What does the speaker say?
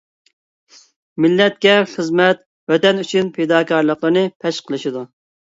مىللەتكە خىزمەت، ۋەتەن ئۈچۈن پىداكارلىقلىرىنى پەش قىلىشىدۇ.